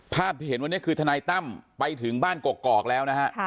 วันนี้คือทนายตั้มไปถึงบ้านกอกกอกแล้ว